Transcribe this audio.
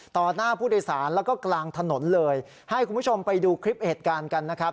หน้าผู้โดยสารแล้วก็กลางถนนเลยให้คุณผู้ชมไปดูคลิปเหตุการณ์กันนะครับ